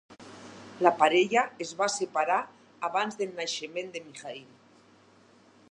La parella es va separar abans del naixement de Mikhaïl.